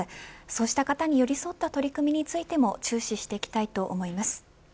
そうした方に寄り添った取り組みについても注視していきたいと思います。